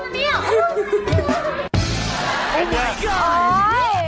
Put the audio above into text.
ปกติป่ะคนตาธรรมชาตินะเนี่ย